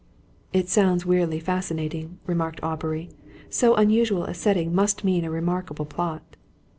"It sounds weirdly fascinating," remarked Aubrey. "So unusual a setting, must mean a remarkable plot."